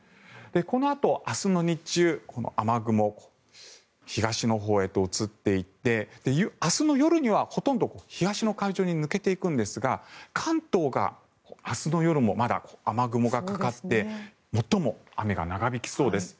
このあと、明日の日中この雨雲東のほうへと移っていって明日の夜には、ほとんど東の海上に抜けていくんですが関東が明日の夜もまだ雨雲がかかって最も雨が長引きそうです。